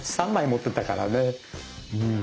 うん。